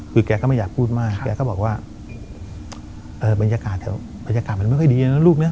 คือแกก็ไม่อยากพูดมากแกก็บอกว่าบรรยากาศแถวบรรยากาศมันไม่ค่อยดีนะลูกนะ